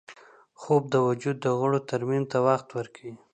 خوب د وجود د غړو ترمیم ته وخت ورکوي